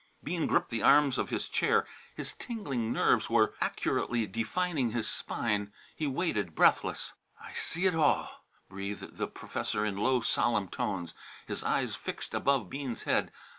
Bean gripped the arms of his chair. His tingling nerves were accurately defining his spine. He waited, breathless. "I see it all," breathed the professor in low, solemn tones, his eyes fixed above Bean's head.